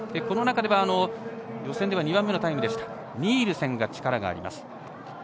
この中では、予選では２番目のタイムだったニールセンが力があります。